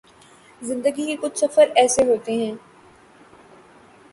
زندگی کے کچھ سفر ایسے ہوتے ہیں